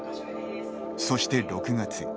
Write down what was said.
そして６月。